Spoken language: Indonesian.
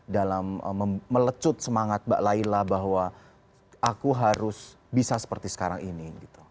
dalam melecut semangat mbak layla bahwa aku harus bisa seperti sekarang ini